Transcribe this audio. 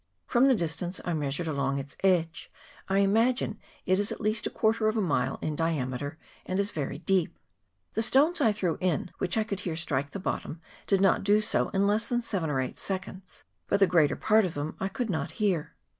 From the distance I measured along its edge, I imagine it is at least a quarter of a mile in diameter, and is very deep. The stones I threw in, which I could hear strike the bottom, did not do so in less than seven or eight seconds, but the greater part of them I could not hear.